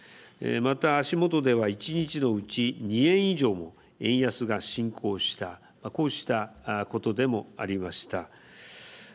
また、足元では１日のうち２円以上も円安が進行したこうしたことでもありました。